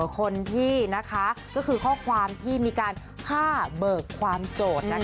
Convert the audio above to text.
คนที่ก็คือข้อความที่มีการฆ่าเบิกความโจทย์